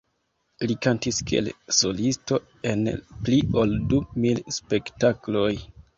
Li kantis kiel solisto en pli ol du mil spektakloj.